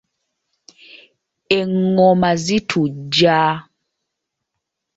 Enggoma zitujja.